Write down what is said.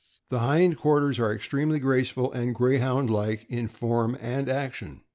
The hind quarters are extremely graceful and Greyhound like in form and action.